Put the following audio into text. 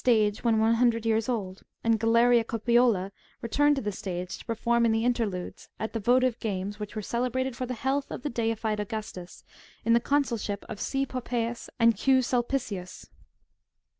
203 when one hundred years old, and Galeria Copiola returned to the stage, to perform in the interludes,^^ at the votive games which were celebrated for the health of the deified Augustus, in the consulship of C. Poppaeus and Q,. Sulpicius.